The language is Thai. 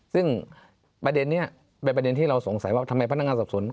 ซึ่งประเด็นนี้เป็นประเด็นที่เราสงสัยว่าทำไมพนักงานสอบสวน